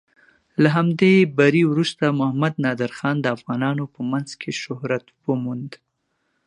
له همدې بري وروسته محمد نادر خان د افغانانو په منځ کې شهرت وموند.